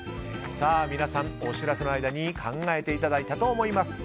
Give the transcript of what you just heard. さあ皆さん、お知らせの間に考えていただいたと思います。